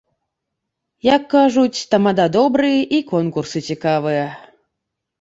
Як кажуць, тамада добры, і конкурсы цікавыя.